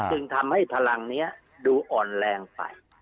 จึงทำให้พลังนี้ดูอ่อนแรงไป